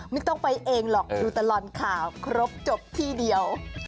ไม่ต้องไปเองหรอกดูตลอดข่าวครบจบที่เดียว